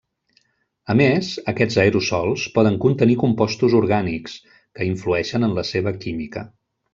A més, aquests aerosols poden contenir compostos orgànics, que influeixen en la seva química.